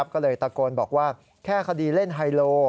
ก็เลยตะโกนบอกว่าแค่คดีเล่นไฮโล